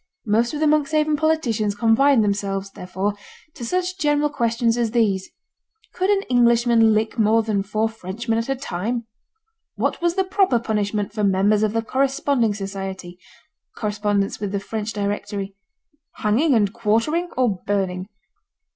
Most of the Monkshaven politicians confined themselves, therefore, to such general questions as these: 'Could an Englishman lick more than four Frenchmen at a time?' 'What was the proper punishment for members of the Corresponding Society (correspondence with the French directory), hanging and quartering, or burning?'